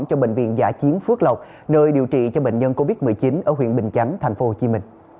cho bệnh viện giả chiến phước lộc nơi điều trị cho bệnh nhân covid một mươi chín ở huyện bình chánh tp hcm